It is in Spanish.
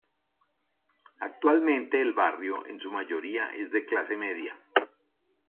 Actualmente el barrio, en su mayoría, es de clase media.